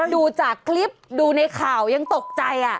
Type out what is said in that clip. ดูจากคลิปดูในข่าวยังตกใจ